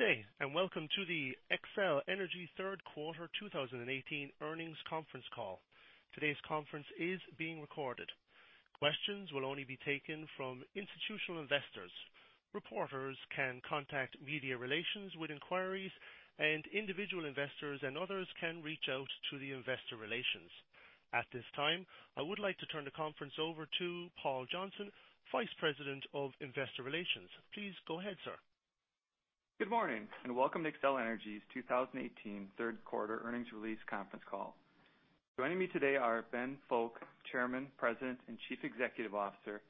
Good day, welcome to the Xcel Energy third quarter 2018 earnings conference call. Today's conference is being recorded. Questions will only be taken from institutional investors. Reporters can contact Media Relations with inquiries, and individual investors and others can reach out to the Investor Relations. At this time, I would like to turn the conference over to Paul Johnson, Vice President of Investor Relations. Please go ahead, sir. Good morning, welcome to Xcel Energy's 2018 third quarter earnings release conference call. Joining me today are Ben Fowke, Chairman, President, and Chief Executive Officer,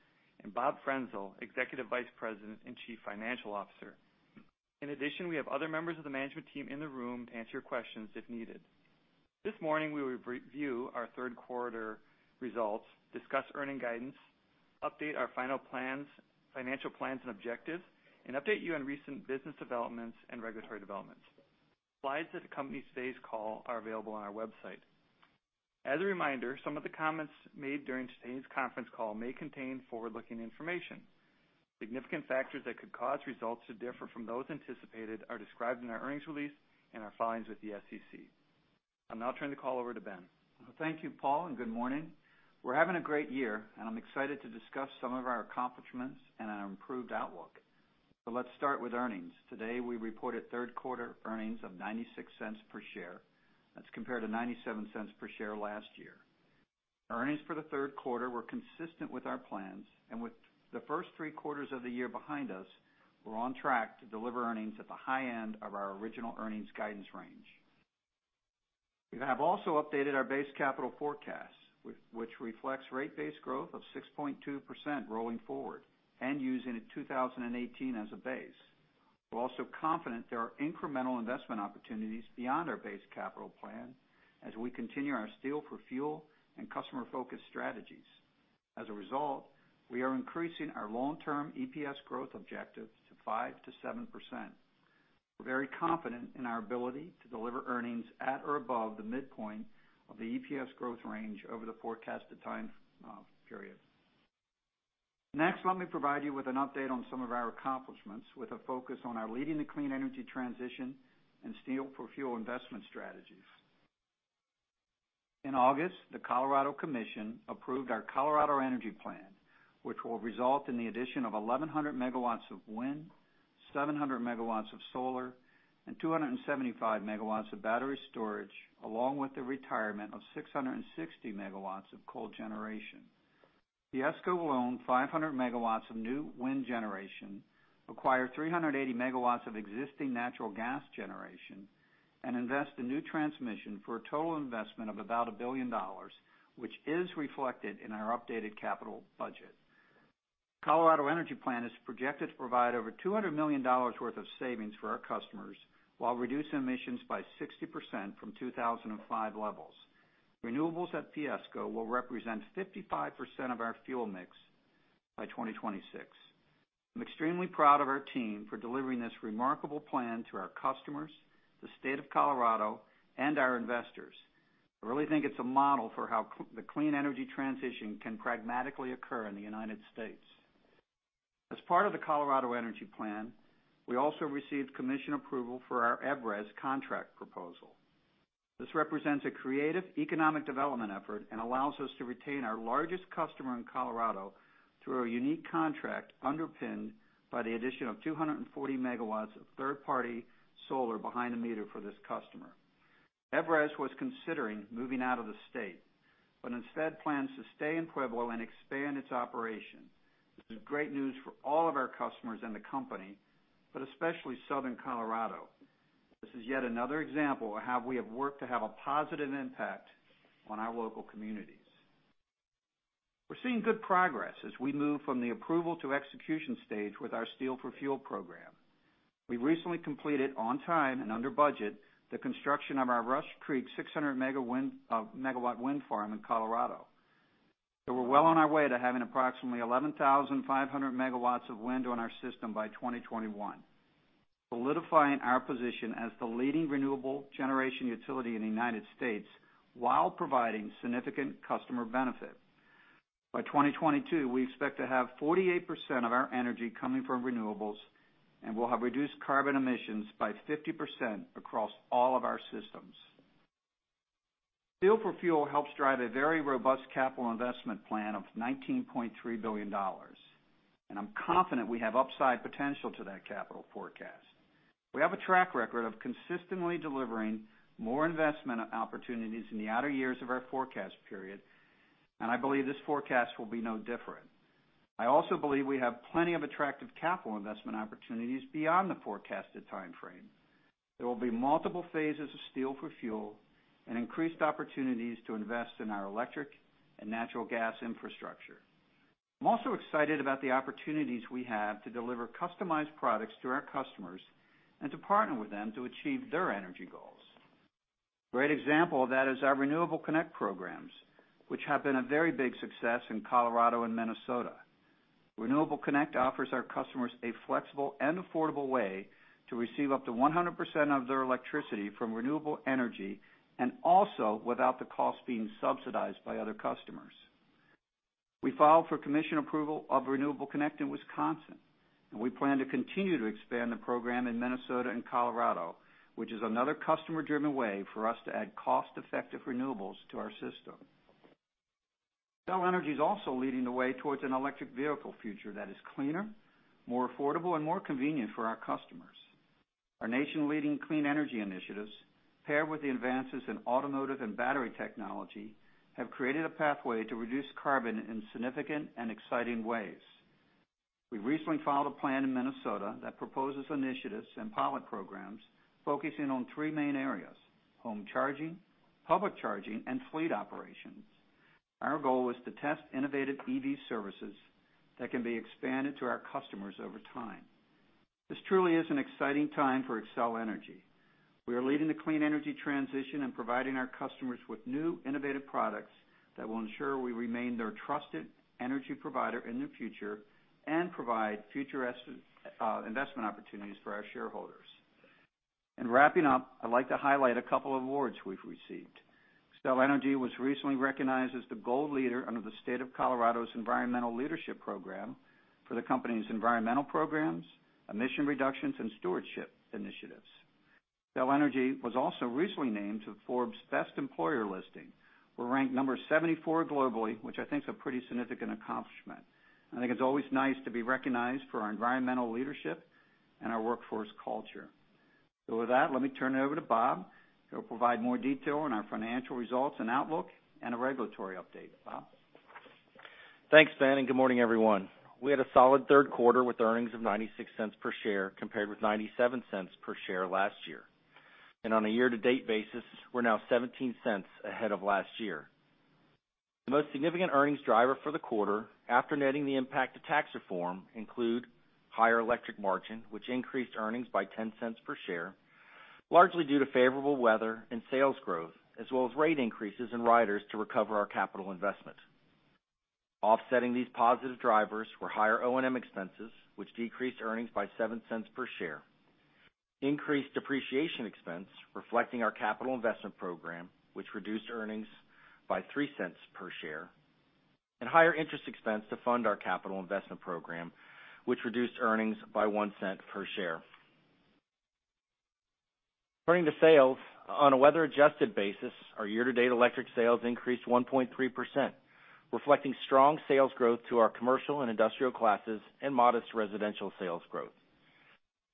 and Bob Frenzel, Executive Vice President and Chief Financial Officer. In addition, we have other members of the management team in the room to answer your questions if needed. This morning, we will review our third quarter results, discuss earnings guidance, update our final plans, financial plans and objectives, and update you on recent business developments and regulatory developments. Slides of the company's phase call are available on our website. As a reminder, some of the comments made during today's conference call may contain forward-looking information. Significant factors that could cause results to differ from those anticipated are described in our earnings release and our filings with the SEC. I'll now turn the call over to Ben. Thank you, Paul, good morning. We're having a great year, and I'm excited to discuss some of our accomplishments and our improved outlook. Let's start with earnings. Today, we reported third-quarter earnings of $0.96 per share. That's compared to $0.97 per share last year. Our earnings for the third quarter were consistent with our plans, and with the first three quarters of the year behind us, we're on track to deliver earnings at the high end of our original earnings guidance range. We have also updated our base capital forecast, which reflects rate base growth of 6.2% rolling forward and using 2018 as a base. We're also confident there are incremental investment opportunities beyond our base capital plan as we continue our Steel for Fuel and customer-focused strategies. As a result, we are increasing our long-term EPS growth objective to 5%-7%. We're very confident in our ability to deliver earnings at or above the midpoint of the EPS growth range over the forecasted time period. Next, let me provide you with an update on some of our accomplishments with a focus on our leading the clean energy transition and Steel for Fuel investment strategies. In August, the Colorado Commission approved our Colorado Energy Plan, which will result in the addition of 1,100 megawatts of wind, 700 megawatts of solar, and 275 megawatts of battery storage, along with the retirement of 660 megawatts of coal generation. PSCo will own 500 megawatts of new wind generation, acquire 380 megawatts of existing natural gas generation, and invest in new transmission for a total investment of about a billion dollars, which is reflected in our updated capital budget. Colorado Energy Plan is projected to provide over $200 million worth of savings for our customers while reducing emissions by 60% from 2005 levels. Renewables at PSCo will represent 55% of our fuel mix by 2026. I'm extremely proud of our team for delivering this remarkable plan to our customers, the state of Colorado, and our investors. I really think it's a model for how the clean energy transition can pragmatically occur in the United States. As part of the Colorado Energy Plan, we also received commission approval for our EVRAZ contract proposal. This represents a creative economic development effort and allows us to retain our largest customer in Colorado through a unique contract underpinned by the addition of 240 megawatts of third-party solar behind the meter for this customer. EVRAZ was considering moving out of the state, but instead plans to stay in Pueblo and expand its operation. This is great news for all of our customers and the company, but especially southern Colorado. This is yet another example of how we have worked to have a positive impact on our local communities. We're seeing good progress as we move from the approval to execution stage with our Steel for Fuel program. We recently completed on time and under budget the construction of our Rush Creek 600 megawatt wind farm in Colorado. We're well on our way to having approximately 11,500 megawatts of wind on our system by 2021, solidifying our position as the leading renewable generation utility in the United States while providing significant customer benefit. By 2022, we expect to have 48% of our energy coming from renewables, we'll have reduced carbon emissions by 50% across all of our systems. Steel for Fuel helps drive a very robust capital investment plan of $19.3 billion. I'm confident we have upside potential to that capital forecast. We have a track record of consistently delivering more investment opportunities in the outer years of our forecast period. I believe this forecast will be no different. I also believe we have plenty of attractive capital investment opportunities beyond the forecasted timeframe. There will be multiple phases of Steel for Fuel and increased opportunities to invest in our electric and natural gas infrastructure. I'm also excited about the opportunities we have to deliver customized products to our customers and to partner with them to achieve their energy goals. Great example of that is our Renewable*Connect programs, which have been a very big success in Colorado and Minnesota. Renewable*Connect offers our customers a flexible and affordable way to receive up to 100% of their electricity from renewable energy and also without the cost being subsidized by other customers. We filed for commission approval of Renewable*Connect in Wisconsin. We plan to continue to expand the program in Minnesota and Colorado, which is another customer-driven way for us to add cost-effective renewables to our system. Xcel Energy is also leading the way towards an electric vehicle future that is cleaner, more affordable, and more convenient for our customers. Our nation-leading clean energy initiatives, paired with the advances in automotive and battery technology, have created a pathway to reduce carbon in significant and exciting ways. We recently filed a plan in Minnesota that proposes initiatives and pilot programs focusing on three main areas: home charging, public charging, and fleet operations. Our goal is to test innovative EV services that can be expanded to our customers over time. This truly is an exciting time for Xcel Energy. We are leading the clean energy transition and providing our customers with new, innovative products that will ensure we remain their trusted energy provider in the future and provide future investment opportunities for our shareholders. In wrapping up, I would like to highlight a couple awards we have received. Xcel Energy was recently recognized as the gold leader under the state of Colorado's Environmental Leadership Program for the company's environmental programs, emission reductions, and stewardship initiatives. Xcel Energy was also recently named to Forbes's Best Employer listing. We are ranked number 74 globally, which I think is a pretty significant accomplishment. I think it is always nice to be recognized for our environmental leadership and our workforce culture. With that, let me turn it over to Bob, who will provide more detail on our financial results and outlook and a regulatory update. Bob? Thanks, Ben, and good morning, everyone. We had a solid third quarter with earnings of $0.96 per share compared with $0.97 per share last year. On a year-to-date basis, we are now $0.17 ahead of last year. The most significant earnings driver for the quarter, after netting the impact of tax reform, include higher electric margin, which increased earnings by $0.10 per share, largely due to favorable weather and sales growth, as well as rate increases and riders to recover our capital investment. Offsetting these positive drivers were higher O&M expenses, which decreased earnings by $0.07 per share. Increased depreciation expense, reflecting our capital investment program, which reduced earnings by $0.03 per share, and higher interest expense to fund our capital investment program, which reduced earnings by $0.01 per share. Turning to sales, on a weather-adjusted basis, our year-to-date electric sales increased 1.3%, reflecting strong sales growth to our commercial and industrial classes and modest residential sales growth.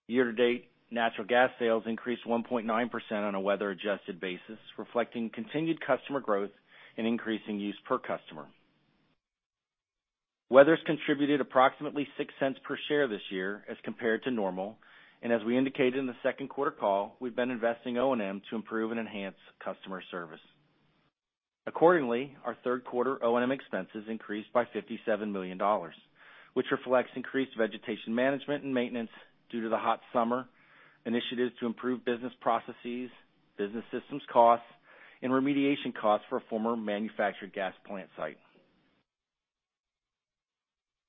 Year-to-date natural gas sales increased 1.9% on a weather-adjusted basis, reflecting continued customer growth and increasing use per customer. Weather has contributed approximately $0.06 per share this year as compared to normal. As we indicated in the second quarter call, we have been investing O&M to improve and enhance customer service. Accordingly, our third-quarter O&M expenses increased by $57 million, which reflects increased vegetation management and maintenance due to the hot summer, initiatives to improve business processes, business systems costs, and remediation costs for a former manufactured gas plant site.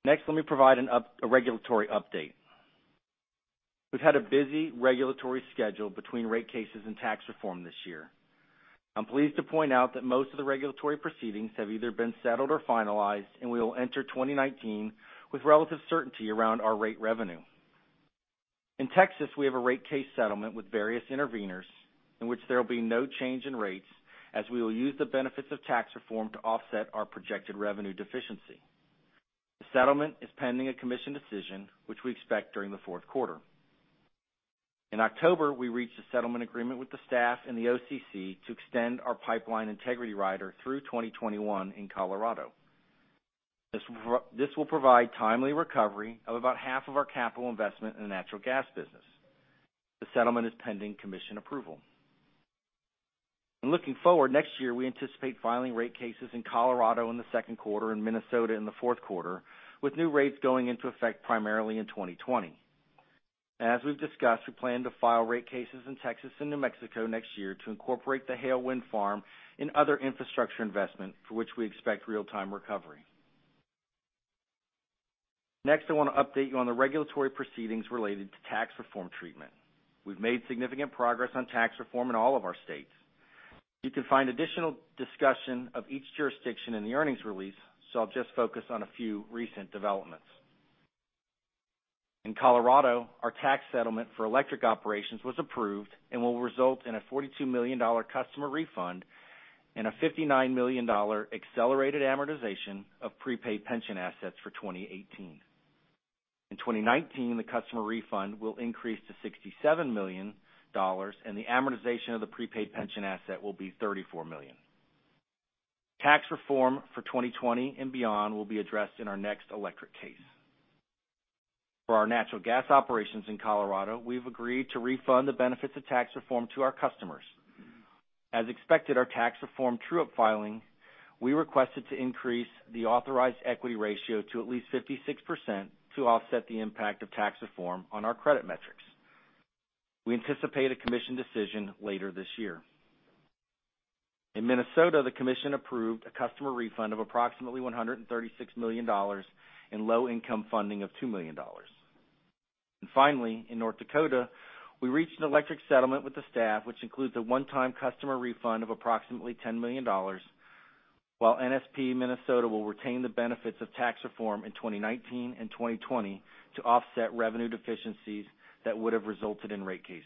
Next, let me provide a regulatory update. We have had a busy regulatory schedule between rate cases and tax reform this year. I'm pleased to point out that most of the regulatory proceedings have either been settled or finalized, and we will enter 2019 with relative certainty around our rate revenue. In Texas, we have a rate case settlement with various interveners in which there will be no change in rates, as we will use the benefits of tax reform to offset our projected revenue deficiency. The settlement is pending a commission decision, which we expect during the fourth quarter. In October, we reached a settlement agreement with the staff and the OCC to extend our pipeline integrity rider through 2021 in Colorado. This will provide timely recovery of about half of our capital investment in the natural gas business. The settlement is pending commission approval. In looking forward, next year, we anticipate filing rate cases in Colorado in the second quarter and Minnesota in the fourth quarter, with new rates going into effect primarily in 2020. As we've discussed, we plan to file rate cases in Texas and New Mexico next year to incorporate the Hale Wind Farm and other infrastructure investment for which we expect real-time recovery. Next, I want to update you on the regulatory proceedings related to tax reform treatment. We've made significant progress on tax reform in all of our states. You can find additional discussion of each jurisdiction in the earnings release, so I'll just focus on a few recent developments. In Colorado, our tax settlement for electric operations was approved and will result in a $42 million customer refund and a $59 million accelerated amortization of prepaid pension assets for 2018. In 2019, the customer refund will increase to $67 million, and the amortization of the prepaid pension asset will be $34 million. Tax reform for 2020 and beyond will be addressed in our next electric case. For our natural gas operations in Colorado, we've agreed to refund the benefits of tax reform to our customers. As expected, our tax reform true-up filing, we requested to increase the authorized equity ratio to at least 56% to offset the impact of tax reform on our credit metrics. We anticipate a commission decision later this year. In Minnesota, the commission approved a customer refund of approximately $136 million in low-income funding of $2 million. Finally, in North Dakota, we reached an electric settlement with the staff, which includes a one-time customer refund of approximately $10 million, while NSP Minnesota will retain the benefits of tax reform in 2019 and 2020 to offset revenue deficiencies that would have resulted in rate cases.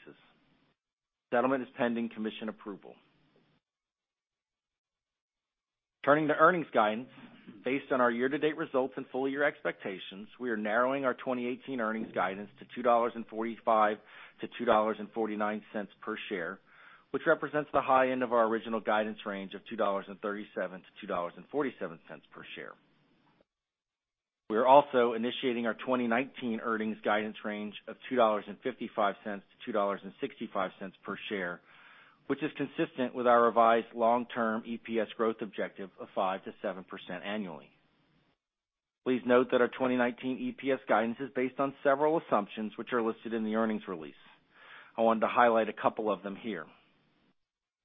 Settlement is pending commission approval. Turning to earnings guidance. Based on our year-to-date results and full-year expectations, we are narrowing our 2018 earnings guidance to $2.45-$2.49 per share, which represents the high end of our original guidance range of $2.37-$2.47 per share. We are also initiating our 2019 earnings guidance range of $2.55-$2.65 per share, which is consistent with our revised long-term EPS growth objective of 5%-7% annually. Please note that our 2019 EPS guidance is based on several assumptions which are listed in the earnings release. I wanted to highlight a couple of them here.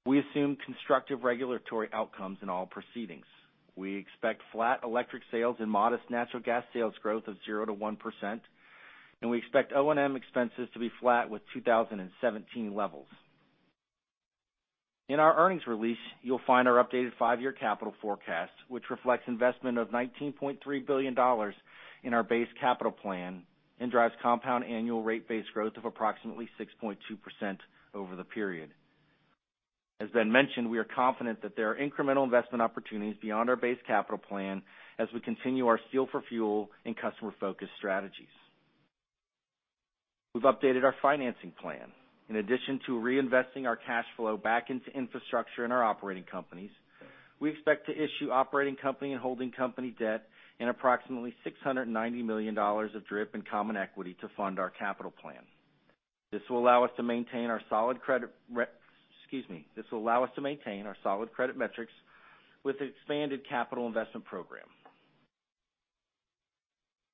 We assume constructive regulatory outcomes in all proceedings. We expect flat electric sales and modest natural gas sales growth of 0%-1%, and we expect O&M expenses to be flat with 2017 levels. In our earnings release, you'll find our updated five-year capital forecast, which reflects investment of $19.3 billion in our base capital plan and drives compound annual rate base growth of approximately 6.2% over the period. As Ben mentioned, we are confident that there are incremental investment opportunities beyond our base capital plan as we continue our Steel for Fuel and customer-focused strategies. We've updated our financing plan. In addition to reinvesting our cash flow back into infrastructure in our operating companies, we expect to issue operating company and holding company debt in approximately $690 million of DRIP and common equity to fund our capital plan. This will allow us to maintain our solid credit metrics with expanded capital investment program.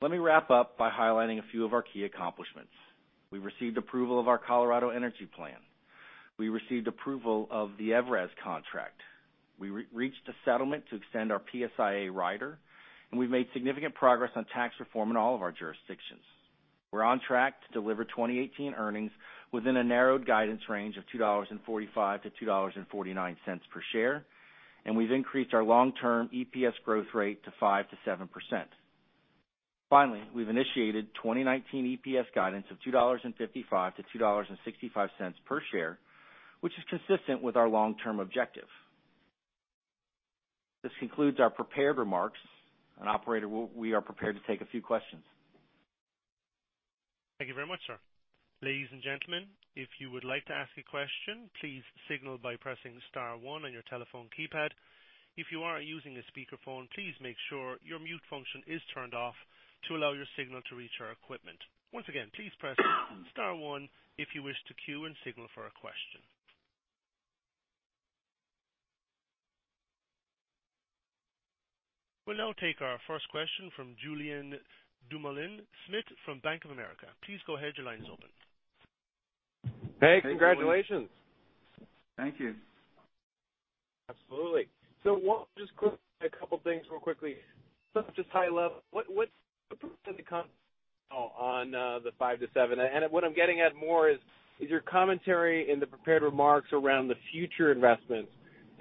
Let me wrap up by highlighting a few of our key accomplishments. We received approval of our Colorado Energy Plan. We received approval of the EVRAZ contract. We reached a settlement to extend our PSIA rider, and we've made significant progress on tax reform in all of our jurisdictions. We're on track to deliver 2018 earnings within a narrowed guidance range of $2.45-$2.49 per share, and we've increased our long-term EPS growth rate to 5%-7%. We've initiated 2019 EPS guidance of $2.55-$2.65 per share, which is consistent with our long-term objective. This concludes our prepared remarks. Operator, we are prepared to take a few questions. Thank you very much, sir. Ladies and gentlemen, if you would like to ask a question, please signal by pressing *1 on your telephone keypad. If you are using a speakerphone, please make sure your mute function is turned off to allow your signal to reach our equipment. Once again, please press *1 if you wish to queue and signal for a question. We'll now take our first question from Julien Dumoulin-Smith from Bank of America. Please go ahead. Your line is open. Hey, congratulations. Thank you. Absolutely. Just a couple things real quickly. Just high level, what's the proof of the concept on the 5%-7%? What I'm getting at more is your commentary in the prepared remarks around the future investments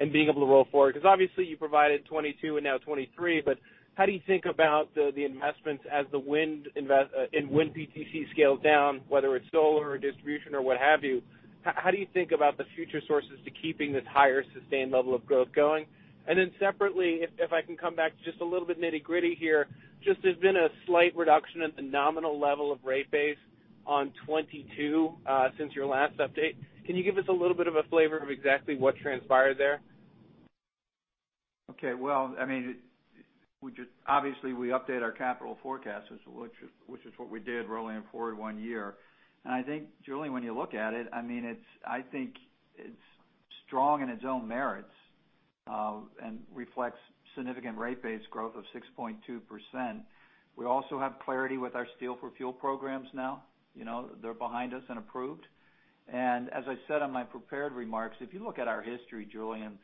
and being able to roll forward. Because obviously you provided 2022 and now 2023, but how do you think about the investments as the wind PTC scales down, whether it's solar or distribution or what have you? How do you think about the future sources to keeping this higher sustained level of growth going? Then separately, if I can come back to just a little bit nitty-gritty here. Just there's been a slight reduction in the nominal level of rate base on 2022, since your last update. Can you give us a little bit of a flavor of exactly what transpired there? Obviously we update our capital forecast, which is what we did rolling forward one year. I think, Julien, when you look at it, I think it's strong in its own merits, and reflects significant rate base growth of 6.2%. We also have clarity with our Steel for Fuel programs now. They're behind us and approved. As I said on my prepared remarks, if you look at our history, Julien,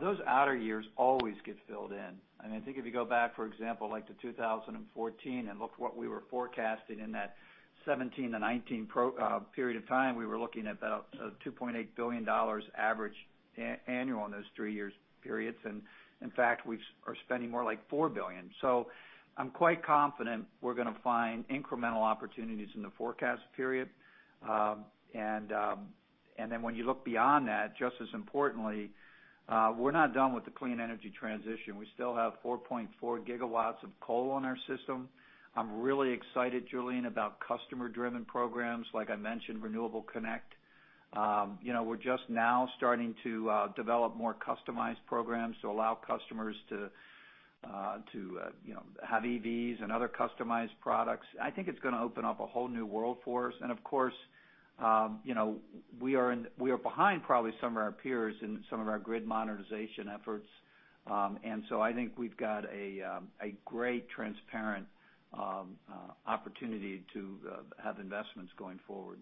those outer years always get filled in. I think if you go back, for example, to 2014 and look what we were forecasting in that 2017-2019 period of time, we were looking at about $2.8 billion average annual in those three-year periods. In fact, we are spending more like $4 billion. I'm quite confident we're going to find incremental opportunities in the forecast period. When you look beyond that, just as importantly, we're not done with the clean energy transition. We still have 4.4 gigawatts of coal in our system. I'm really excited, Julien, about customer-driven programs, like I mentioned, Renewable*Connect. We're just now starting to develop more customized programs to allow customers to have EVs and other customized products. I think it's going to open up a whole new world for us. Of course, we are behind probably some of our peers in some of our grid modernization efforts. So I think we've got a great transparent opportunity to have investments going forward.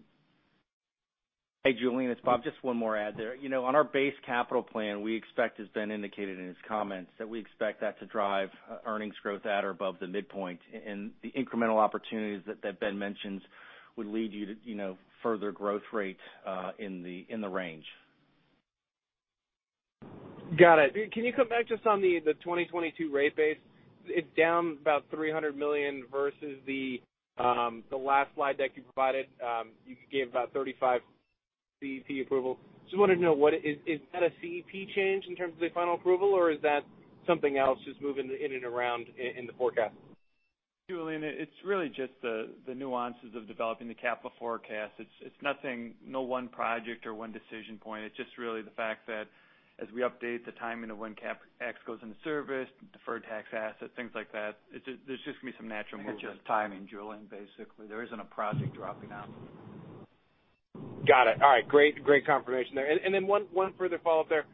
Hey, Julien, it's Bob. Just one more add there. On our base capital plan, as Ben indicated in his comments, that we expect that to drive earnings growth at or above the midpoint. The incremental opportunities that Ben mentioned would lead you to further growth rate in the range. Got it. Can you come back just on the 2022 rate base? It's down about $300 million versus the last slide deck you provided. You gave about 35 CEP approval. Just wanted to know, is that a CEP change in terms of the final approval, or is that something else just moving in and around in the forecast? Julien, it's really just the nuances of developing the capital forecast. It's nothing, no one project or one decision point. It's just really the fact that as we update the timing of when CapEx goes into service, deferred tax asset, things like that, there's just going to be some natural movement. I think it's just timing, Julien, basically. There isn't a project dropping off. Got it. All right. Great confirmation there. One further follow-up there.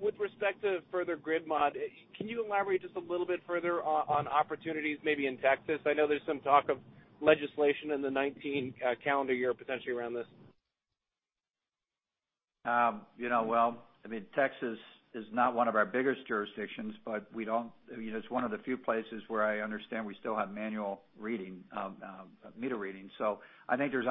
With respect to further grid mod, can you elaborate just a little bit further on opportunities maybe in Texas? I know there's some talk of legislation in the 2019 calendar year potentially around this. Texas is not one of our biggest jurisdictions, but it's one of the few places where I understand we still have manual meter reading. So I think there's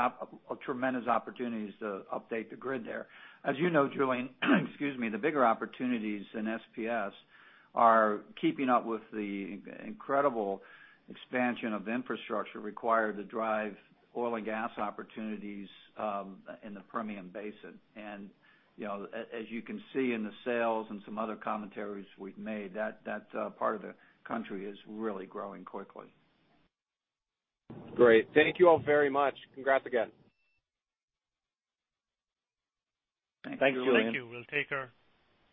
tremendous opportunities to update the grid there. As you know, Julien, the bigger opportunities in SPS are keeping up with the incredible expansion of infrastructure required to drive oil and gas opportunities in the Permian Basin. As you can see in the sales and some other commentaries we've made, that part of the country is really growing quickly. Great. Thank you all very much. Congrats again. Thank you, Julien. Thank you. Thank you.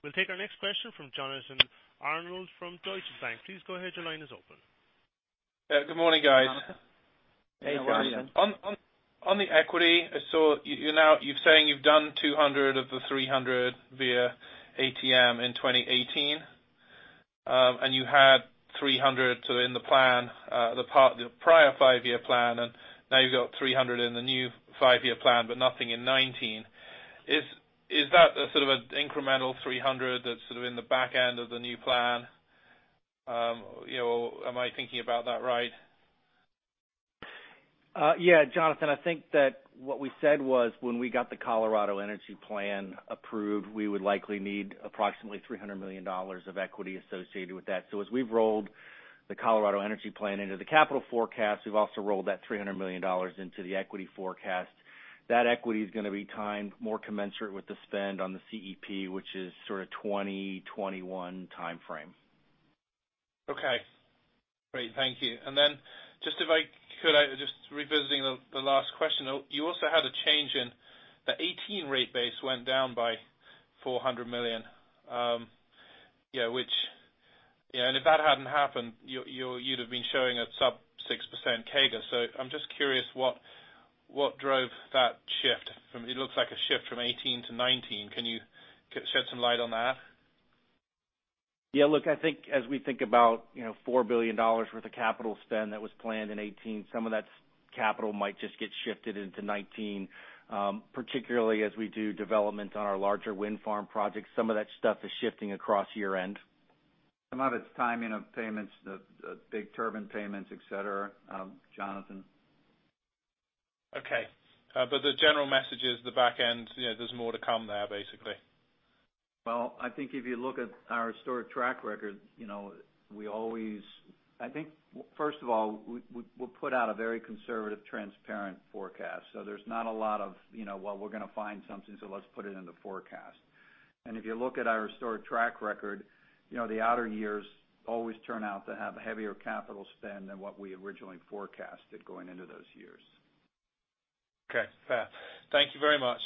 We'll take our next question from Jonathan Arnold from Deutsche Bank. Please go ahead, your line is open. Good morning, guys. Hey, Jonathan. Hey, Jonathan. On the equity, you're saying you've done $200 of the $300 via ATM in 2018. You had $300 in the prior five-year plan, and now you've got $300 in the new five-year plan, but nothing in 2019. Is that a sort of an incremental $300 that's sort of in the back end of the new plan? Am I thinking about that right? Yeah. Jonathan, I think that what we said was when we got the Colorado Energy Plan approved, we would likely need approximately $300 million of equity associated with that. As we've rolled the Colorado Energy Plan into the capital forecast, we've also rolled that $300 million into the equity forecast. That equity is going to be timed more commensurate with the spend on the CEP, which is sort of 2020, 2021 timeframe. Okay, great. Thank you. Just if I could, just revisiting the last question, you also had a change in the 2018 rate base went down by $400 million. If that hadn't happened, you'd have been showing a sub 6% CAGR. I'm just curious what drove that shift? It looks like a shift from 2018 to 2019. Can you shed some light on that? Yeah, look, I think as we think about $4 billion worth of capital spend that was planned in 2018, some of that capital might just get shifted into 2019. Particularly as we do development on our larger wind farm projects, some of that stuff is shifting across year-end. Some of it is timing of payments, the big turbine payments, et cetera, Jonathan. Okay. The general message is the back end, there's more to come there, basically. I think if you look at our historic track record, I think first of all, we'll put out a very conservative, transparent forecast. There's not a lot of, "Well, we're going to find something, so let's put it in the forecast." If you look at our historic track record, the outer years always turn out to have a heavier capital spend than what we originally forecasted going into those years. Fair. Thank you very much.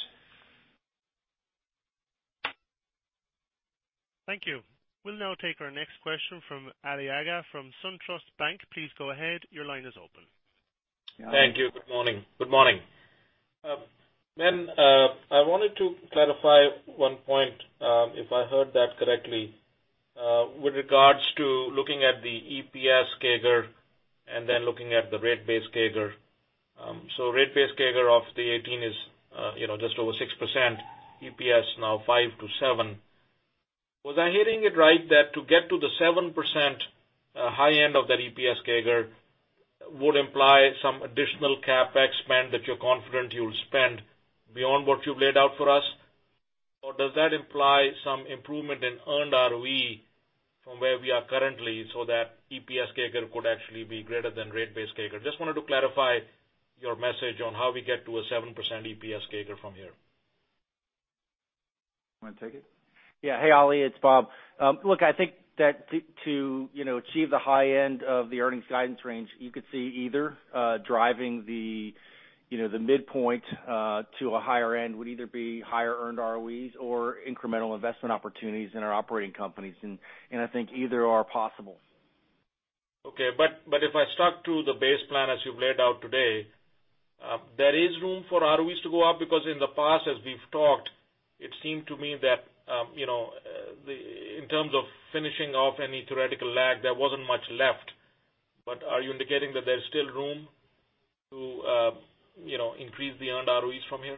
Thank you. We'll now take our next question from Ali Agha from SunTrust Bank. Please go ahead. Your line is open. Thank you. Good morning. Ben, I wanted to clarify one point if I heard that correctly. With regards to looking at the EPS CAGR and then looking at the rate base CAGR. Rate base CAGR of the 2018 is just over 6%, EPS now 5%-7%. Was I hearing it right that to get to the 7% high end of that EPS CAGR would imply some additional CapEx spend that you're confident you'll spend beyond what you've laid out for us? Or does that imply some improvement in earned ROE from where we are currently so that EPS CAGR could actually be greater than rate base CAGR? Just wanted to clarify your message on how we get to a 7% EPS CAGR from here. Want to take it? Yeah. Hey, Ali, it's Bob. Look, I think that to achieve the high end of the earnings guidance range, you could see either driving the midpoint to a higher end would either be higher earned ROEs or incremental investment opportunities in our operating companies. I think either are possible. Okay. If I stuck to the base plan as you've laid out today, there is room for ROEs to go up because in the past as we've talked, it seemed to me that in terms of finishing off any theoretical lag, there wasn't much left. Are you indicating that there's still room to increase the earned ROEs from here?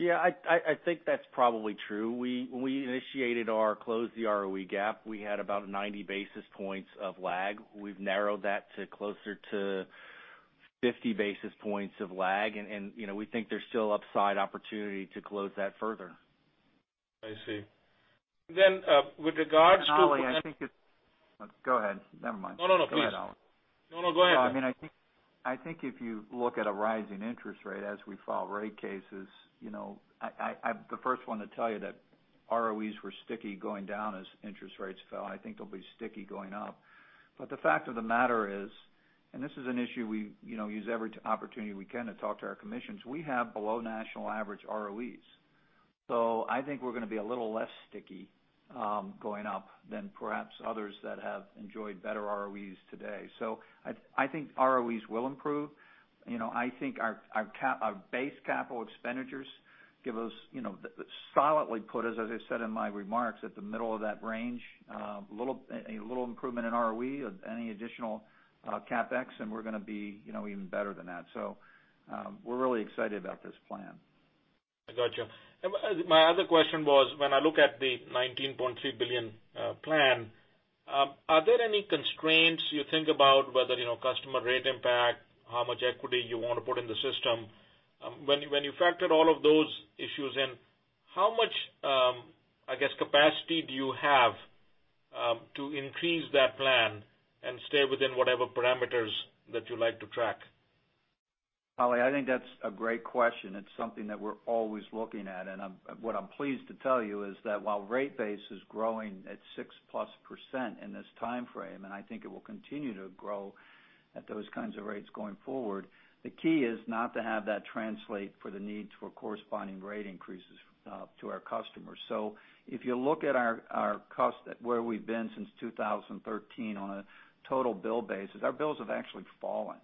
Yeah, I think that's probably true. When we initiated our close the ROE gap, we had about 90 basis points of lag. We've narrowed that to closer to 50 basis points of lag, and we think there's still upside opportunity to close that further. I see. Ali, I think go ahead. Never mind. No, please. Go ahead, Ali. No, go ahead. I think if you look at a rising interest rate as we file rate cases, I'm the first one to tell you that ROEs were sticky going down as interest rates fell. I think they'll be sticky going up. The fact of the matter is, and this is an issue we use every opportunity we can to talk to our commissions, we have below national average ROEs. I think we're going to be a little less sticky going up than perhaps others that have enjoyed better ROEs today. I think ROEs will improve. I think our base capital expenditures give us, solidly put, as I said in my remarks, at the middle of that range. A little improvement in ROE, any additional CapEx, and we're going to be even better than that. We're really excited about this plan. I got you. My other question was, when I look at the $19.3 billion plan, are there any constraints you think about whether customer rate impact, how much equity you want to put in the system? When you factor all of those issues in, how much capacity do you have to increase that plan and stay within whatever parameters that you like to track? Ali, I think that's a great question. It's something that we're always looking at. What I'm pleased to tell you is that while rate base is growing at six plus percent in this time frame, and I think it will continue to grow at those kinds of rates going forward, the key is not to have that translate for the need for corresponding rate increases to our customers. If you look at where we've been since 2013 on a total bill basis, our bills have actually fallen.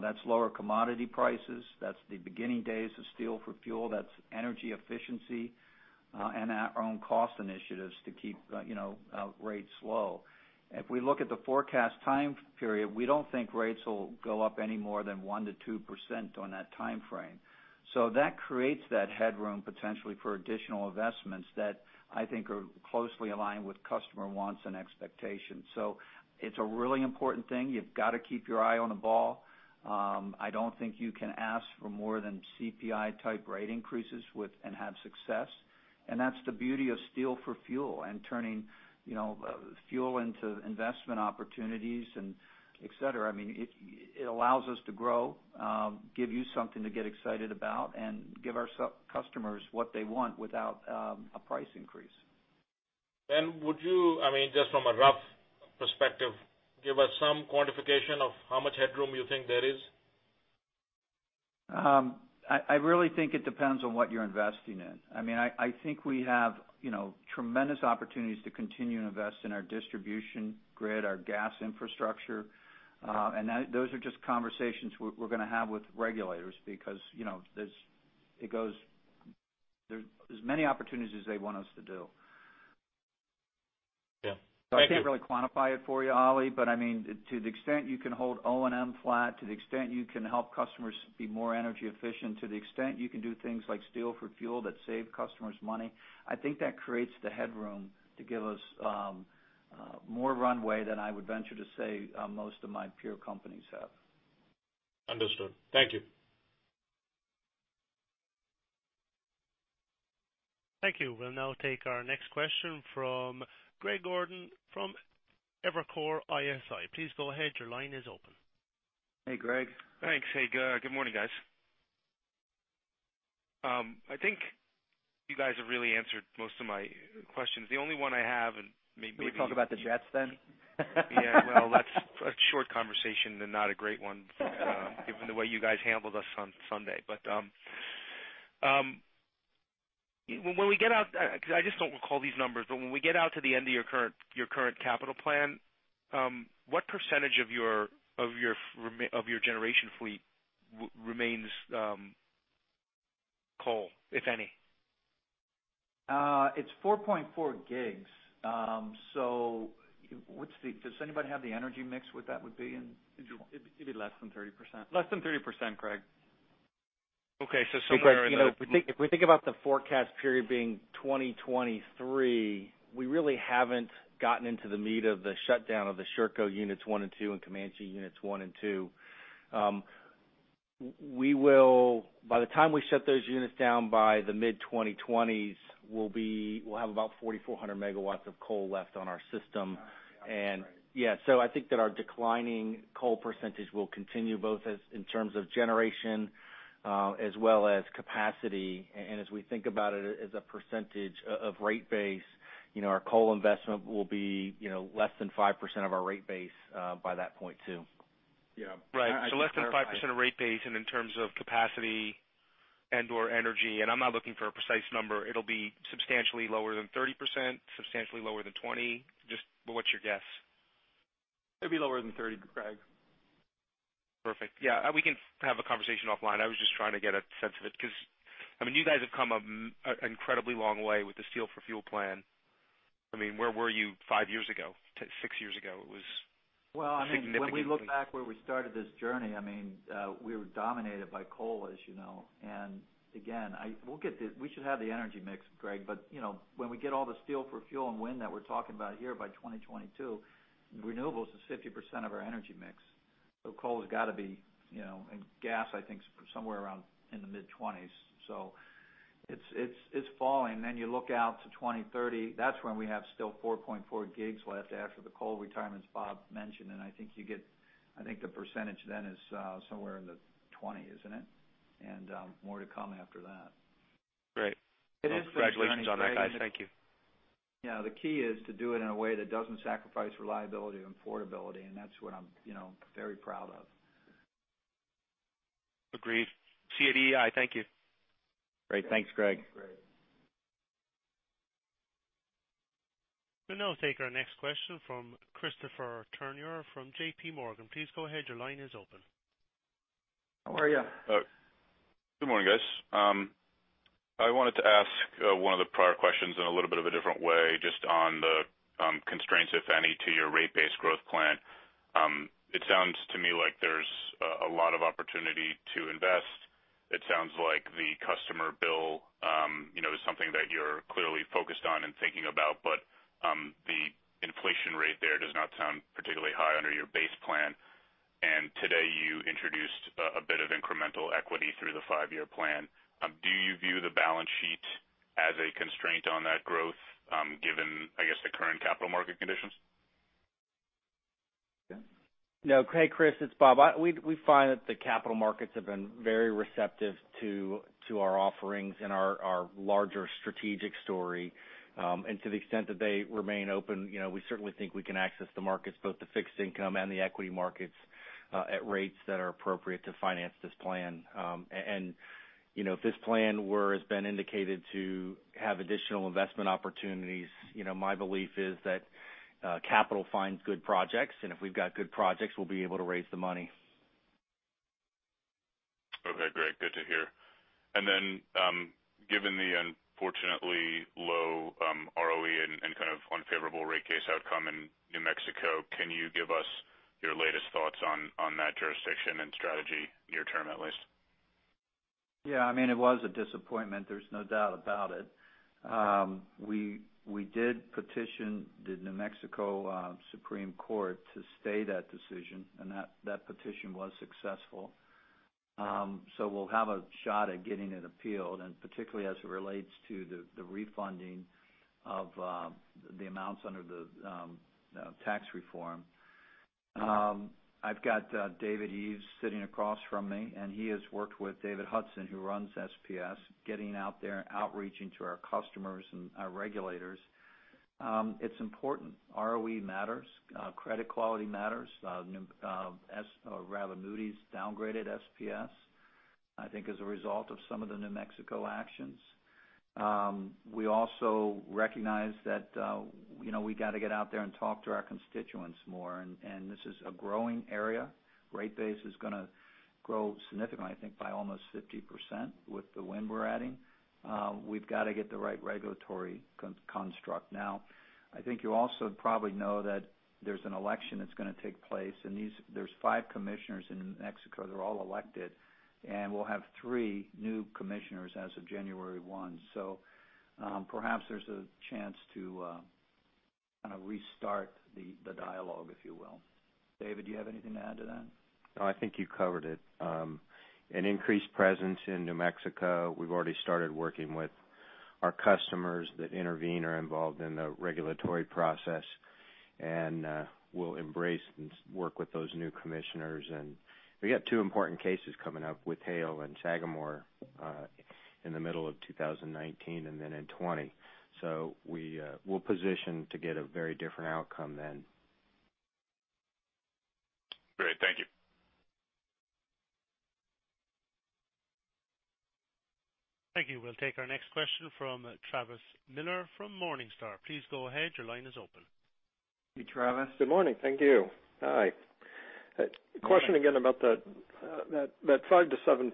That's lower commodity prices. That's the beginning days of Steel for Fuel. That's energy efficiency, and our own cost initiatives to keep rates low. If we look at the forecast time period, we don't think rates will go up any more than 1%-2% on that time frame. That creates that headroom potentially for additional investments that I think are closely aligned with customer wants and expectations. It's a really important thing. You've got to keep your eye on the ball. I don't think you can ask for more than CPI-type rate increases and have success. That's the beauty of Steel for Fuel and turning fuel into investment opportunities, et cetera. It allows us to grow, give you something to get excited about, and give our customers what they want without a price increase. Would you, just from a rough perspective, give us some quantification of how much headroom you think there is? I really think it depends on what you're investing in. I think we have tremendous opportunities to continue to invest in our distribution grid, our gas infrastructure. Those are just conversations we're going to have with regulators because there's as many opportunities as they want us to do. Yeah. Thank you. I can't really quantify it for you, Ali, but to the extent you can hold O&M flat, to the extent you can help customers be more energy efficient, to the extent you can do things like Steel for Fuel that save customers money, I think that creates the headroom to give us more runway than I would venture to say most of my peer companies have. Understood. Thank you. Thank you. We'll now take our next question from Greg Gordon from Evercore ISI. Please go ahead. Your line is open. Hey, Greg. Thanks. Hey, good morning, guys. I think you guys have really answered most of my questions. The only one I have, and maybe- Can we talk about the deathspan? Yeah, well, that's a short conversation and not a great one given the way you guys handled us on Sunday. When we get out, because I just don't recall these numbers, but when we get out to the end of your current capital plan, what % of your generation fleet remains coal, if any? It's 4.4 gigs. Does anybody have the energy mix what that would be in? It'd be less than 30%. Less than 30%, Greg. Okay, somewhere in that. Hey, Greg. If we think about the forecast period being 2023, we really haven't gotten into the meat of the shutdown of the Sherco units 1 and 2 and Comanche units 1 and 2. By the time we shut those units down by the mid-2020s, we'll have about 4,400 megawatts of coal left on our system. Got you. I'm sorry. I think that our declining coal percentage will continue both in terms of generation as well as capacity. As we think about it as a percentage of rate base, our coal investment will be less than 5% of our rate base by that point, too. Yeah. Right. Less than 5% of rate base and in terms of capacity and/or energy, I'm not looking for a precise number, it'll be substantially lower than 30%, substantially lower than 20%? Just what's your guess? It'd be lower than 30, Greg. Perfect. Yeah, we can have a conversation offline. I was just trying to get a sense of it because you guys have come an incredibly long way with the Steel for Fuel plan. Where were you five years ago? Six years ago? It was significant. Well, when we look back where we started this journey, we were dominated by coal, as you know. Again, we should have the energy mix, Greg. When we get all the Steel for Fuel and wind that we're talking about here by 2022, renewables is 50% of our energy mix. Coal has got to be, and gas, I think, somewhere around in the mid-20s. It's falling. You look out to 2030, that's when we have still 4.4 gigs left after the coal retirements Bob mentioned, and I think the percentage then is somewhere in the 20s, isn't it? More to come after that. Great. It is. Congratulations on that, guys. Thank you. Yeah, the key is to do it in a way that doesn't sacrifice reliability and affordability, and that's what I'm very proud of. Agreed. Cadei, I thank you. Great. Thanks, Greg. Great. We'll now take our next question from Christopher Turnure from JPMorgan. Please go ahead. Your line is open. How are you? Good morning, guys. I wanted to ask one of the prior questions in a little bit of a different way, just on the constraints, if any, to your rate-based growth plan. It sounds to me like there's a lot of opportunity to invest. It sounds like the customer bill is something that you're clearly focused on and thinking about, but the inflation rate there does not sound particularly high under your base plan. Today you introduced a bit of incremental equity through the five-year plan. Do you view the balance sheet as a constraint on that growth, given, I guess, the current capital market conditions? No. Hey, Chris, it's Bob. We find that the capital markets have been very receptive to our offerings and our larger strategic story. To the extent that they remain open, we certainly think we can access the markets, both the fixed income and the equity markets, at rates that are appropriate to finance this plan. If this plan were, as Ben indicated, to have additional investment opportunities, my belief is that capital finds good projects, and if we've got good projects, we'll be able to raise the money. Okay, great. Good to hear. Given the unfortunately low ROE and kind of unfavorable rate case outcome in New Mexico, can you give us your latest thoughts on that jurisdiction and strategy, near term, at least? Yeah. It was a disappointment, there's no doubt about it. We did petition the New Mexico Supreme Court to stay that decision. That petition was successful. We'll have a shot at getting it appealed, particularly as it relates to the refunding of the amounts under the tax reform. I've got David Eves sitting across from me. He has worked with David Hudson, who runs SPS, getting out there and outreaching to our customers and our regulators. It's important. ROE matters. Credit quality matters. Moody's downgraded SPS, I think as a result of some of the New Mexico actions. We also recognize that we got to get out there and talk to our constituents more. This is a growing area. Rate base is going to grow significantly, I think by almost 50% with the wind we're adding. We've got to get the right regulatory construct. I think you also probably know that there's an election that's going to take place. There's five commissioners in New Mexico. They're all elected. We'll have three new commissioners as of January 1. Perhaps there's a chance to kind of restart the dialogue, if you will. David, do you have anything to add to that? No, I think you covered it. An increased presence in New Mexico. We've already started working with our customers that intervene or are involved in the regulatory process. We'll embrace and work with those new commissioners. We got two important cases coming up with Hale and Sagamore in the middle of 2019 and then in 2020. We'll position to get a very different outcome then. Great. Thank you. Thank you. We'll take our next question from Travis Miller from Morningstar. Please go ahead. Your line is open. Hey, Travis. Good morning. Thank you. Hi. Question again about that 5%-7%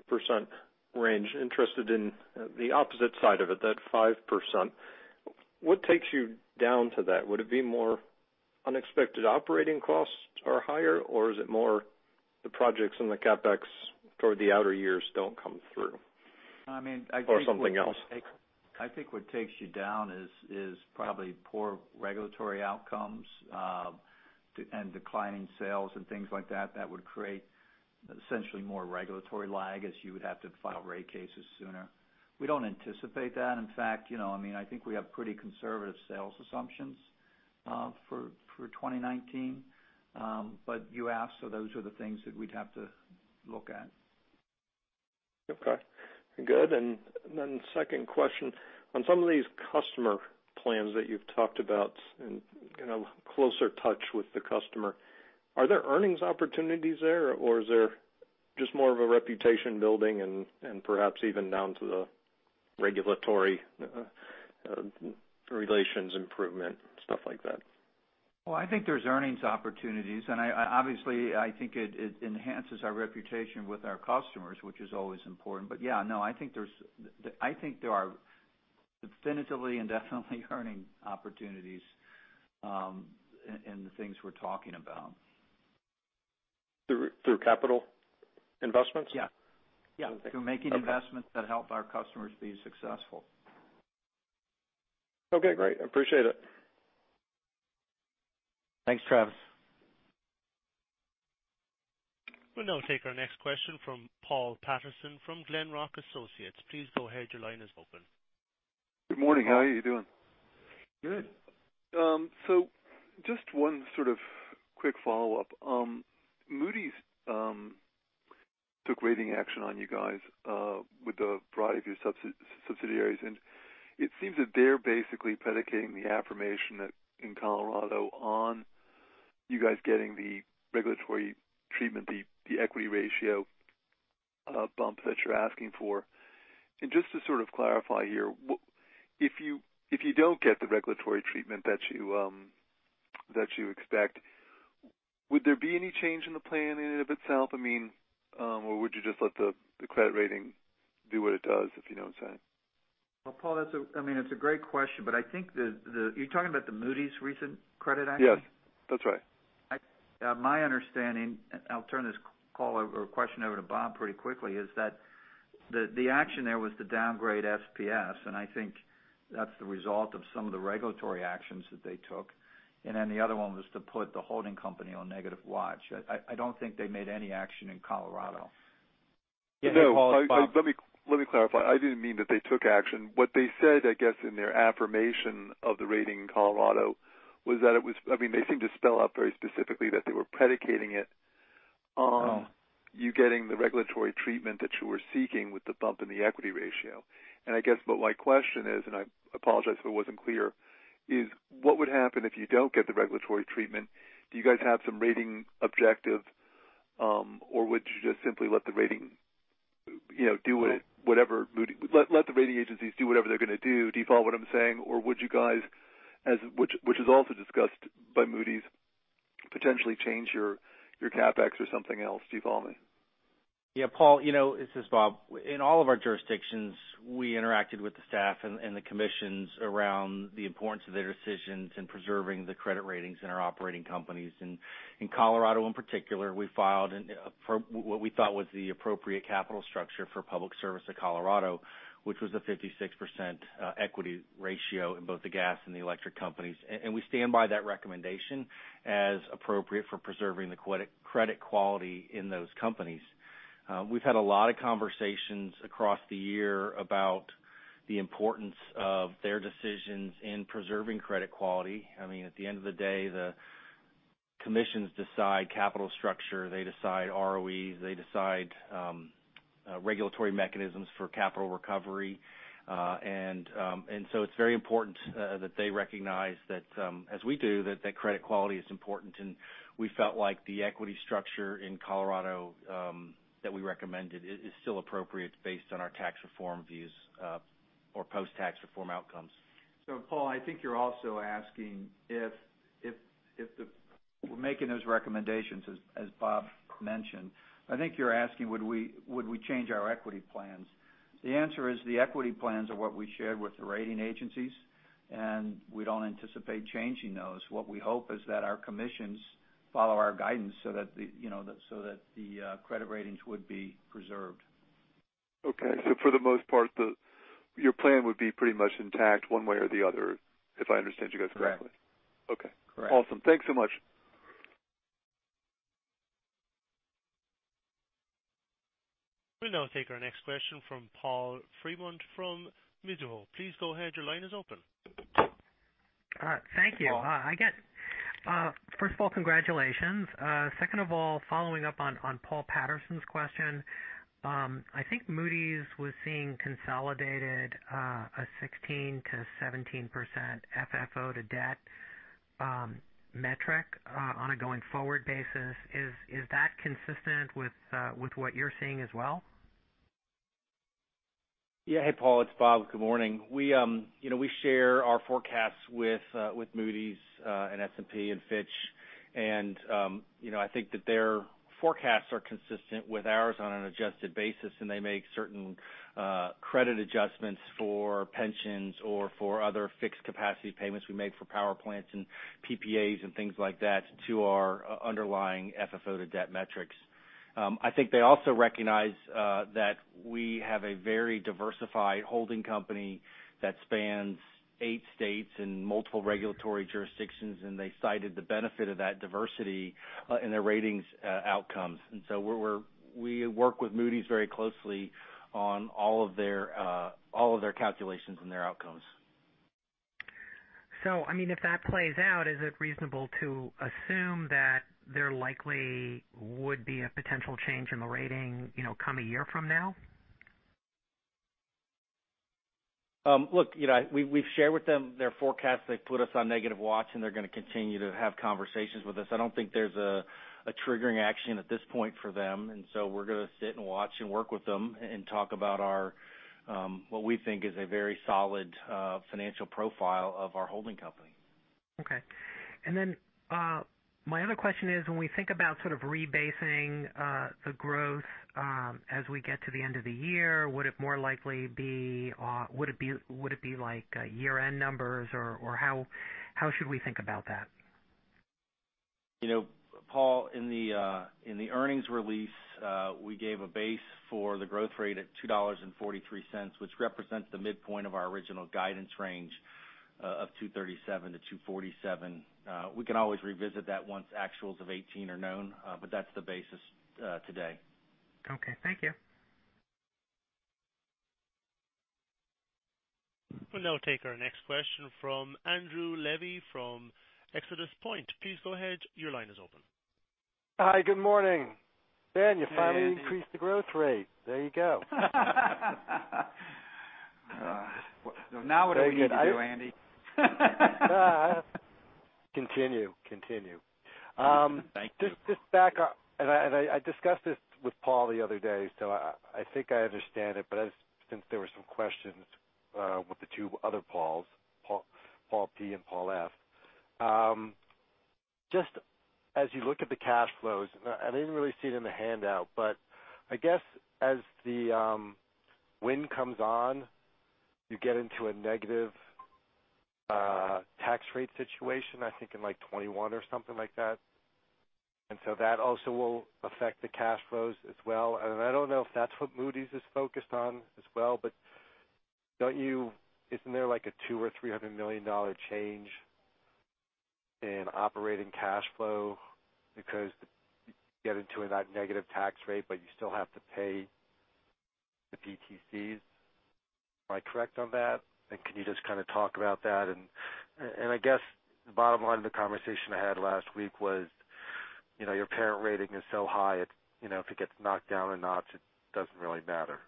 range. Interested in the opposite side of it, that 5%. What takes you down to that? Would it be more unexpected operating costs are higher, or is it more the projects and the CapEx toward the outer years don't come through? I think what- something else I think what takes you down is probably poor regulatory outcomes and declining sales and things like that. That would create essentially more regulatory lag as you would have to file rate cases sooner. We don't anticipate that. In fact, I think we have pretty conservative sales assumptions for 2019. You asked, so those are the things that we'd have to look at. Okay, good. Then second question, on some of these customer plans that you've talked about and closer touch with the customer, are there earnings opportunities there, or is there just more of a reputation building and perhaps even down to the regulatory relations improvement, stuff like that. Well, I think there's earnings opportunities, and obviously, I think it enhances our reputation with our customers, which is always important. Yeah, no, I think there are definitively and definitely earning opportunities in the things we're talking about. Through capital investments? Yeah. Okay. Through making investments that help our customers be successful. Okay, great. Appreciate it. Thanks, Travis. We'll now take our next question from Paul Patterson from Glenrock Associates. Please go ahead. Your line is open. Good morning. How are you doing? Good. Just one sort of quick follow-up. Moody's took rating action on you guys with a variety of your subsidiaries, and it seems that they're basically predicating the affirmation that in Colorado on you guys getting the regulatory treatment, the equity ratio bump that you're asking for. Just to sort of clarify here, if you don't get the regulatory treatment that you expect, would there be any change in the plan in and of itself? Or would you just let the credit rating do what it does, if you know what I'm saying? Paul, it's a great question, but I think that you're talking about the Moody's recent credit action? Yes. That's right. My understanding, I'll turn this call over or question over to Bob pretty quickly, is that the action there was to downgrade SPS, and I think that's the result of some of the regulatory actions that they took. The other one was to put the holding company on negative watch. I don't think they made any action in Colorado. No. Let me clarify. I didn't mean that they took action. What they said, I guess, in their affirmation of the rating in Colorado was that they seemed to spell out very specifically that they were predicating it on you getting the regulatory treatment that you were seeking with the bump in the equity ratio. I guess what my question is, and I apologize if it wasn't clear, is what would happen if you don't get the regulatory treatment? Do you guys have some rating objective? Would you just simply let the rating agencies do whatever they're going to do? Do you follow what I'm saying? Would you guys, which is also discussed by Moody's, potentially change your CapEx or something else? Do you follow me? Yeah, Paul, this is Bob. In all of our jurisdictions, we interacted with the staff and the commissions around the importance of their decisions in preserving the credit ratings in our operating companies. In Colorado, in particular, we filed what we thought was the appropriate capital structure for Public Service Company of Colorado, which was a 56% equity ratio in both the gas and the electric companies. We stand by that recommendation as appropriate for preserving the credit quality in those companies. At the end of the day, the commissions decide capital structure, they decide ROEs, they decide regulatory mechanisms for capital recovery. So it's very important that they recognize that, as we do, that credit quality is important. We felt like the equity structure in Colorado that we recommended is still appropriate based on our tax reform views or post-tax reform outcomes. Paul, I think you're also asking if we're making those recommendations, as Bob mentioned. I think you're asking would we change our equity plans. The answer is the equity plans are what we shared with the rating agencies, and we don't anticipate changing those. What we hope is that our commissions follow our guidance so that the credit ratings would be preserved. For the most part, your plan would be pretty much intact one way or the other, if I understand you guys correctly. Correct. Okay. Correct. Awesome. Thanks so much. We'll now take our next question from Paul Fremont from Mizuho. Please go ahead. Your line is open. Thank you. Paul. First of all, congratulations. Second of all, following up on Paul Patterson's question. I think Moody's was seeing consolidated a 16%-17% FFO to debt metric on a going-forward basis. Is that consistent with what you're seeing as well? Yeah. Hey, Paul, it's Bob. Good morning. We share our forecasts with Moody's and S&P and Fitch. I think that their forecasts are consistent with ours on an adjusted basis, and they make certain credit adjustments for pensions or for other fixed capacity payments we make for power plants and PPAs and things like that to our underlying FFO to debt metrics. I think they also recognize that we have a very diversified holding company that spans eight states and multiple regulatory jurisdictions, and they cited the benefit of that diversity in their ratings outcomes. We work with Moody's very closely on all of their calculations and their outcomes. If that plays out, is it reasonable to assume that there likely would be a potential change in the rating come a year from now? Look, we've shared with them their forecast. They've put us on negative watch, and they're going to continue to have conversations with us. I don't think there's a triggering action at this point for them. We're going to sit and watch and work with them and talk about what we think is a very solid financial profile of our holding company. Okay. My other question is, when we think about sort of rebasing the growth as we get to the end of the year, would it be like year-end numbers or how should we think about that? Paul, in the earnings release, we gave a base for the growth rate at $2.43, which represents the midpoint of our original guidance range of $2.37-$2.47. We can always revisit that once actuals of 2018 are known. That's the basis today. Okay. Thank you. We'll now take our next question from Andrew Levy from ExodusPoint. Please go ahead. Your line is open. Hi. Good morning. Ben, you finally increased the growth rate. There you go. What do we need to do, Andy? Continue. Thank you. Just back up, I discussed this with Paul the other day, I think I understand it, since there were some questions with the two other Pauls, Paul P. and Paul F. Just as you look at the cash flows, I didn't really see it in the handout, I guess as the wind comes on, you get into a negative tax rate situation, I think in like 2021 or something like that. That also will affect the cash flows as well. I don't know if that's what Moody's is focused on as well, but isn't there like a $200 million or $300 million change in operating cash flow because you get into that negative tax rate, but you still have to pay the PTCs? Am I correct on that? Can you just kind of talk about that? I guess the bottom line of the conversation I had last week was your parent rating is so high if it gets knocked down a notch, it doesn't really matter.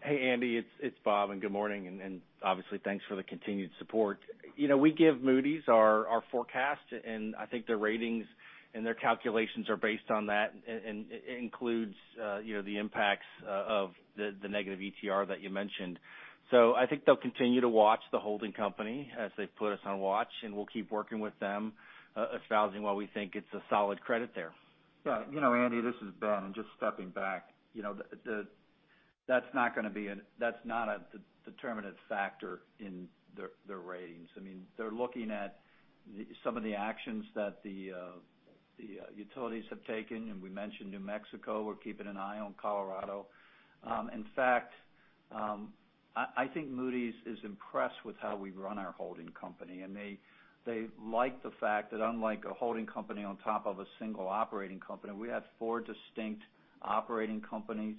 Hey, Andy, it's Bob, good morning, obviously thanks for the continued support. We give Moody's our forecast, I think their ratings and their calculations are based on that, it includes the impacts of the negative ETR that you mentioned. I think they'll continue to watch the holding company as they've put us on watch, we'll keep working with them, espousing why we think it's a solid credit there. Yeah. Andy, this is Ben. Just stepping back, that's not a determinative factor in their ratings. They're looking at some of the actions that the utilities have taken. We mentioned New Mexico. We're keeping an eye on Colorado. In fact, I think Moody's is impressed with how we run our holding company, and they like the fact that unlike a holding company on top of a single operating company, we have four distinct operating companies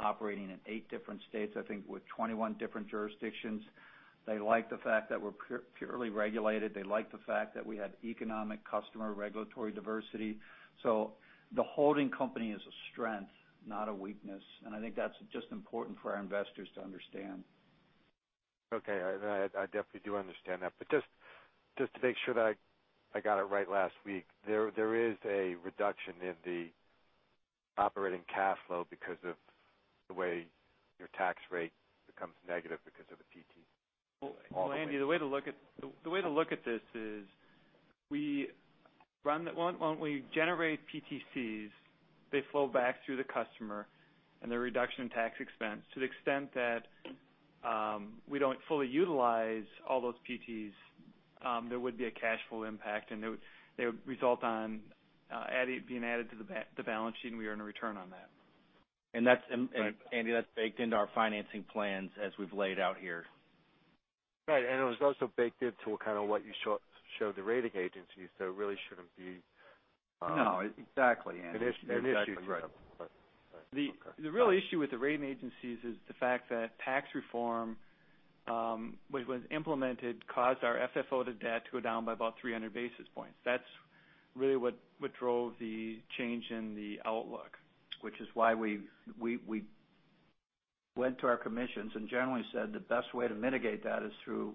operating in eight different states, I think with 21 different jurisdictions. They like the fact that we're purely regulated. They like the fact that we have economic customer regulatory diversity. The holding company is a strength, not a weakness. I think that's just important for our investors to understand. Okay. I definitely do understand that. Just to make sure that I got it right last week, there is a reduction in the operating cash flow because of the way your tax rate becomes negative because of the PT. Andy, the way to look at this is when we generate PTCs, they flow back through the customer and their reduction in tax expense. To the extent that we don't fully utilize all those PTCs, there would be a cash flow impact. They would result on being added to the balance sheet, and we earn a return on that. Andy, that's baked into our financing plans as we've laid out here. Right. It was also baked into kind of what you showed the rating agencies, it really shouldn't be- No, exactly, Andy. An issue. That's exactly right. Okay. The real issue with the rating agencies is the fact that tax reform, when it was implemented, caused our FFO to debt to go down by about 300 basis points. That's really what drove the change in the outlook. Which is why we went to our commissions and generally said the best way to mitigate that is through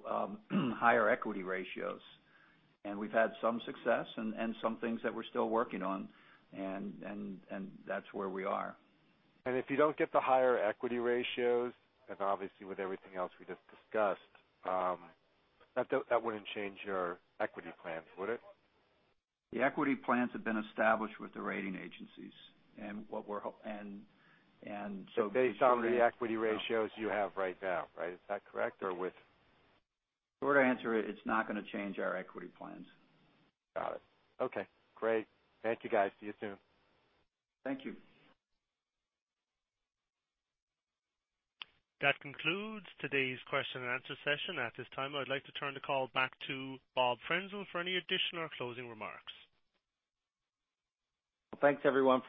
higher equity ratios. We've had some success and some things that we're still working on, and that's where we are. If you don't get the higher equity ratios, and obviously with everything else we just discussed, that wouldn't change your equity plans, would it? The equity plans have been established with the rating agencies. Based on the equity ratios you have right now, right? Is that correct? Short answer, it's not going to change our equity plans. Got it. Okay, great. Thank you guys. See you soon. Thank you. That concludes today's question and answer session. At this time, I would like to turn the call back to Bob Frenzel for any additional closing remarks. Thanks, everyone,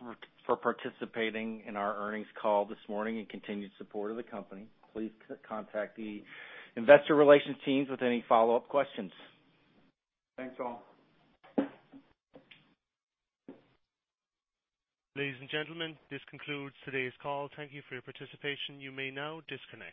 for participating in our earnings call this morning and continued support of the company. Please contact the investor relations teams with any follow-up questions. Thanks all. Ladies and gentlemen, this concludes today's call. Thank you for your participation. You may now disconnect.